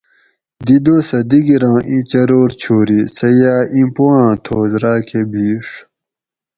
دی دوسہ دگیراں اِیں چرور چھوری سہ یاۤ اِیں پوآۤں تھوس راۤکہ بِھیڛ